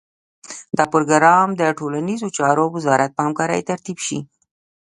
دا پروګرام د ټولنیزو چارو وزارت په همکارۍ ترتیب شي.